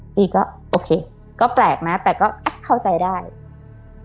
จีก็โอเคก็แปลกนะแต่ก็อ่ะเข้าใจได้อืม